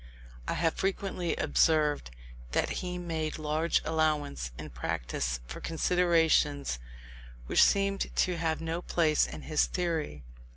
I have frequently observed that he made large allowance in practice for considerations which seemed to have no place in his theory.